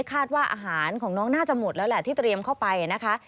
คาดว่าอาหารของน้องน่าจะหมดแล้วแหละที่เตรียมเข้าไปนะคะ